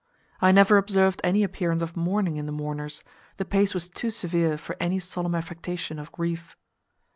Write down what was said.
I never observed any appearance of mourning in the mourners: the pace was too severe for any solemn affectation of grief.